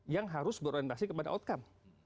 yang harus berorientasi kepada outcome